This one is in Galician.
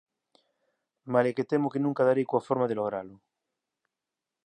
Malia que temo que nunca darei coa forma de logralo.